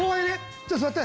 ちょっと座って。